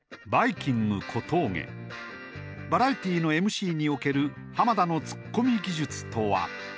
バラエティーのＭＣにおける浜田のツッコミ技術とは？